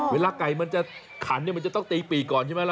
เวลาไก่มันจะขันเนี่ยมันจะต้องตีปีกก่อนใช่ไหมล่ะ